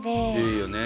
いいよね。